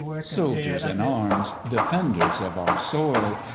Soldiers in arms! Defenders of our soil!